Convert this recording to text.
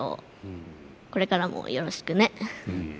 これからもよろしくね。